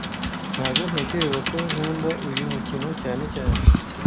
Ntago ntekereza ko nkunda uyu mukino cyane cyane